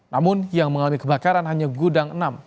namun yang mengalami kebakaran hanya gudang enam